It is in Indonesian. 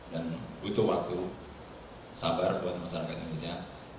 dan butuh waktu sabar buat masyarakat indonesia